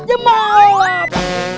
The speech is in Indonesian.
ya mau apaan